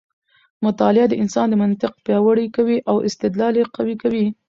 مطالعه د انسان منطق پیاوړی کوي او استدلال یې قوي کوي.